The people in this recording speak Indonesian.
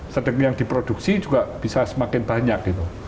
sedemi yang diproduksi juga bisa semakin banyak gitu